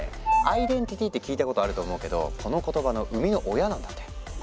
アイデンティティって聞いたことあると思うけどこの言葉の生みの親なんだって。